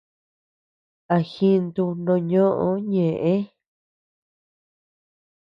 A jintu noo ñoʼö ñeʼë.